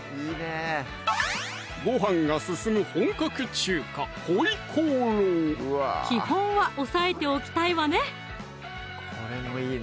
ごはんが進む本格中華基本は押さえておきたいわね